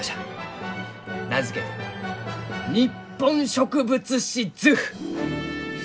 名付けて「日本植物志図譜」。